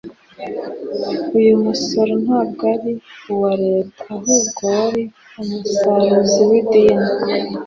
Uyu musoro ntabwo wari uwa Leta, ahubwo wari umusarizu w'idini.